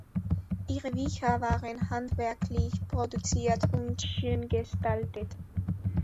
Ihre Bücher waren handwerklich produziert und schön gestaltet.